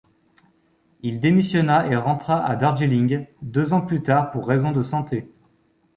Il démissionna et rentra à Darjeeling deux ans plus tard pour raison de santé.